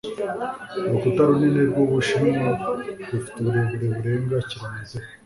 urukuta runini rw'ubushinwa rufite uburebure burenga kilometero